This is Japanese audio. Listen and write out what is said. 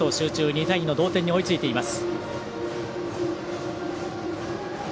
２対２の同点に追いついています。